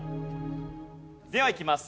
ではいきます。